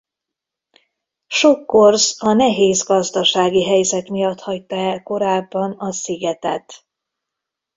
Sok korz a nehéz gazdasági helyzet miatt hagyta el korábban a szigetet.